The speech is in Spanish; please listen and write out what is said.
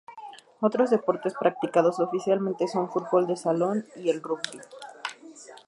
Otros deportes practicados oficialmente son ""fútbol de salón"" y el Rugby.